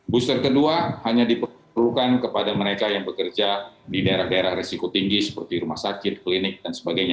booster kedua hanya diperlukan kepada mereka yang bekerja di daerah daerah risiko tinggi seperti rumah sakit klinik dan sebagainya